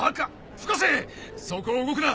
深瀬そこを動くな！